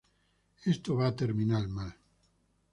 Esto va a terminar mal.